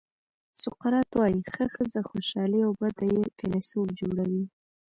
سقراط وایي ښه ښځه خوشالي او بده یې فیلسوف جوړوي.